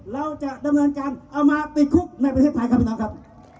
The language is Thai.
เราจะดำเนินการเอามาติดคุกในประเทศไทยครับพี่น้องครับ